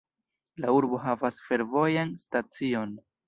La urbo havas fervojan stacion.